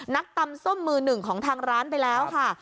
ตำส้มมือหนึ่งของทางร้านไปแล้วค่ะ